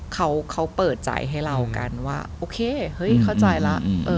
เขาเปิดใจให้เรากันว่าโอเคเฮ้ยเข้าใจแล้ว